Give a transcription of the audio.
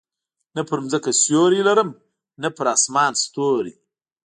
نه پر مځکه سیوری لرم، نه پر اسمان ستوری.